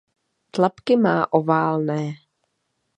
Tlapky má oválné.